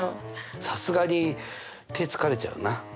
さすがに手疲れちゃうな。